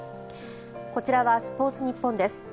こちらはスポーツニッポンです。